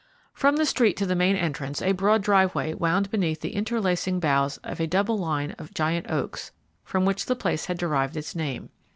From the street to the main entrance a broad driveway wound beneath the interlacing boughs of a double line of giant oaks, from which the place had derived its name.